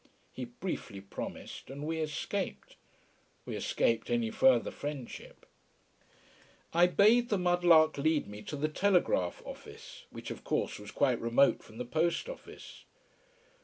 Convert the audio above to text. He briefly promised and we escaped. We escaped any further friendship. I bade the mud lark lead me to the telegraph office: which of course was quite remote from the post office.